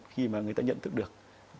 khi mà người ta nhận thức được